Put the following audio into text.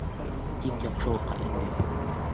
Тик яҡшылыҡҡа өндәй.